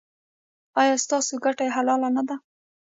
ایا ستاسو ګټه حلاله نه ده؟